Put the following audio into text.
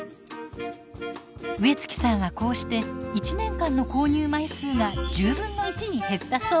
植月さんはこうして１年間の購入枚数が１０分の１に減ったそう。